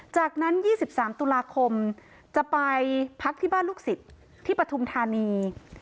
จากนั้น๒๓ตุลาคมจะไปพักที่บ้านลูกศิษย์ที่ปฐุมธานี